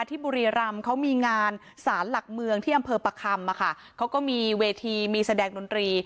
บุรีรำเขามีงานสารหลักเมืองที่อำเภอประคำอะค่ะเขาก็มีเวทีมีแสดงดนตรี